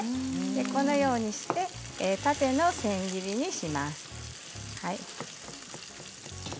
このようにして縦の千切りにします。